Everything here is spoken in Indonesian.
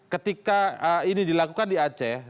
ketika ini dilakukan di aceh